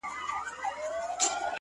o ستا جدايۍ ته به شعرونه ليکم؛